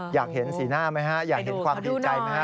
อยากเห็นสีหน้าไหมฮะอยากเห็นความดีใจไหมฮ